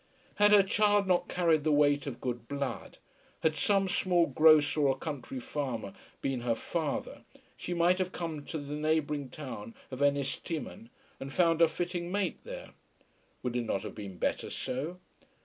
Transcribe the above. Had her child not carried the weight of good blood, had some small grocer or country farmer been her father, she might have come down to the neighbouring town of Ennistimon, and found a fitting mate there. Would it not have been better so?